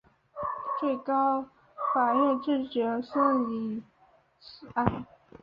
最高法院拒绝审理此案。